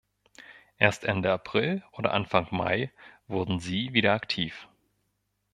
Erst Ende April oder Anfang Mai wurden sie wieder aktiv.